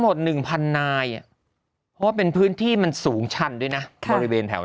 หมด๑๐๐นายเพราะว่าเป็นพื้นที่มันสูงชันด้วยนะบริเวณแถว